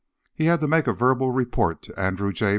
He had to make a verbal report to Andrew J.